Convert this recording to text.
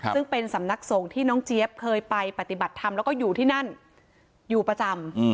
ซึ่งเป็นสำนักสงฆ์ที่น้องเจี๊ยบเคยไปปฏิบัติธรรมแล้วก็อยู่ที่นั่นอยู่ประจำ